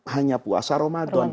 hanya puasa ramadan